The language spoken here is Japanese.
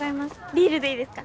ビールでいいですか？